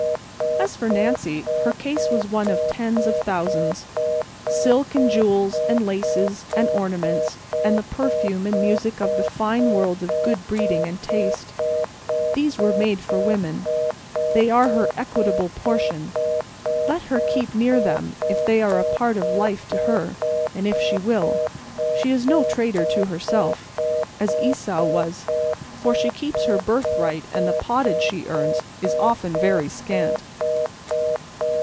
As for Nancy, her case was one of tens of thousands. Silk and jewels and laces and ornaments and the perfume and music of the fine world of good breeding and taste—these were made for woman; they are her equitable portion. Let her keep near them if they are a part of life to her, and if she will. She is no traitor to herself, as Esau was; for she keeps her birthright and the pottage she earns is often very scant.